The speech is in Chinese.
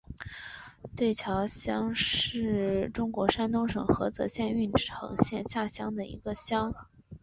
双桥乡是中国山东省菏泽市郓城县下辖的一个乡。